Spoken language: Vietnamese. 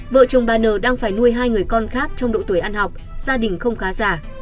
vợ chồng bà n đang phải nuôi hai người con khác trong độ tuổi ăn học gia đình không khá giả